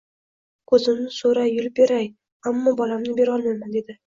«Ko‘zimni so‘ra, yulib beray, ammo bolamni bera olmayman» dedi...